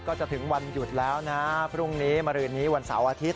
จะถึงวันหยุดแล้วนะพรุ่งนี้มารืนนี้วันเสาร์อาทิตย